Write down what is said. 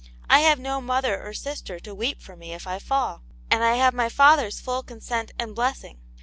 " I have no mother or sister to weep for me if I fall, and I have my father's full consent and blessing.